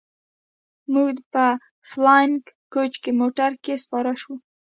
موږ په فلاينګ کوچ موټر کښې سپاره سو.